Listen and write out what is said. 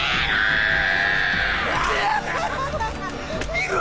見ろ！